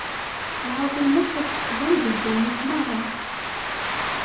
Lɛaḍima-k ad d-tban di ddunit merra.